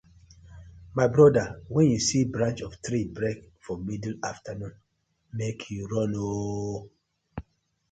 My bother wen yu see branch of tree break for middle afternoon mek yu run ooo.